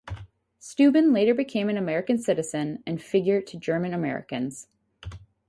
Steuben later became an American citizen and figure to German Americans.